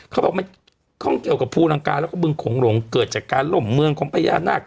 เขาบอกมันข้องเกี่ยวกับภูลังกาแล้วก็บึงโขงหลงเกิดจากการล่มเมืองของพญานาค